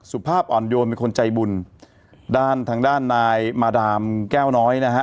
ภาพอ่อนโยนเป็นคนใจบุญด้านทางด้านนายมาดามแก้วน้อยนะฮะ